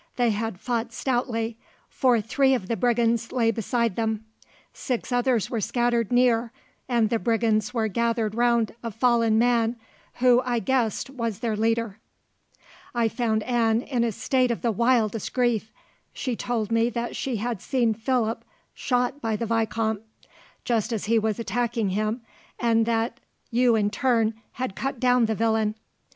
They had fought stoutly, for three of the brigands lay beside them. Six others were scattered near, and the brigands were gathered round a fallen man, who I guessed was their leader. "I found Anne in a state of the wildest grief. She told me that she had seen Philip shot by the vicomte, just as he was attacking him, and that you in turn had cut down the villain.